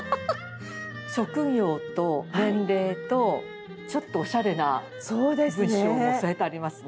職業と年齢とちょっとおしゃれな文章も添えてありますね。